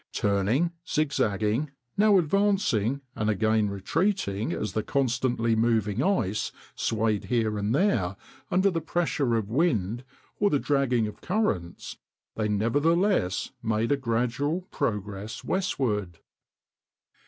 Turning, zigzagging, now advancing and again retreating as the constantly moving ice swayed here and there under the pressure of wind or the dragging of currents, they nevertheless made a gradual progress westward.